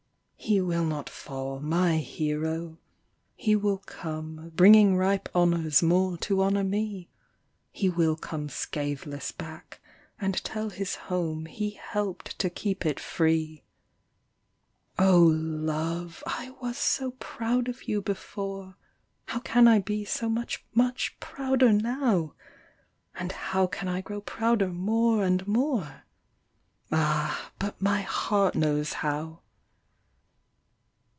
He will not fall, my hero ; he will come Bringing ripe honours more to honour me ; He will come scatheless back, and tell his home He helped to keep it free. NO NEWS FROM THE WAR. 31 Oh, love ! I was so proud of you before, How can I be so much much prouder now ? And how can I grow prouder more and more ? Ah 1 but my heart knows how."